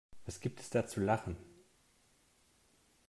Was gibt es da zu lachen?